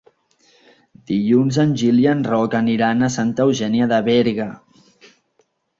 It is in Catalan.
Dilluns en Gil i en Roc aniran a Santa Eugènia de Berga.